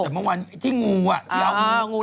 เมื่อวานที่งูอ่ะที่เอางู